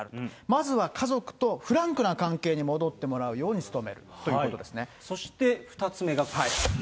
まずは家族とフランクな関係に戻ってもらうように努めるというこそして、２つ目がこれ。